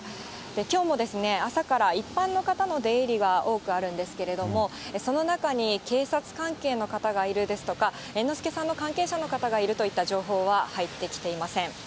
きょうも朝から一般の方の出入りは多くあるんですけれども、その中に警察関係の方がいるですとか、猿之助さんの関係者の方がいるといった情報は入ってきていません。